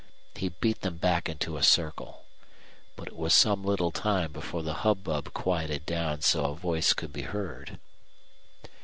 He beat them back into a circle; but it was some little time before the hubbub quieted down so a voice could be heard.